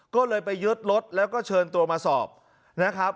ก็เลยไปยึดรถแล้วก็เชิญตัวมาสอบนะครับ